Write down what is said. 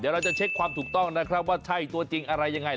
เดี๋ยวเราจะเช็คความถูกต้องนะครับว่าใช่ตัวจริงอะไรยังไง